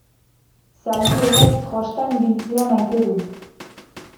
Zaldi horrek trostan ibiltzea maite du.